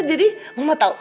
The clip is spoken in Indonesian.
oh jadi mama tau